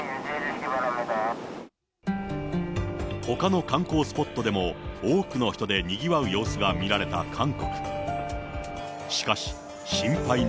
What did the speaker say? ほかの観光スポットでも、多くの人でにぎわう様子が見られた韓国。